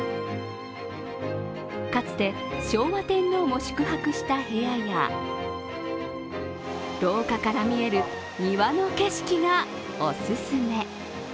かつて昭和天皇も宿泊した部屋や廊下から見える庭の景色がオススメ。